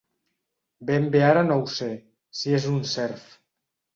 Ben bé ara no ho sé, si és un serf.